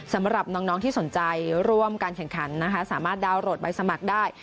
สำหรับน้องที่สนใจร่วมการแข่งขันนะคะสามารถดาวนโหลดใบสมัครได้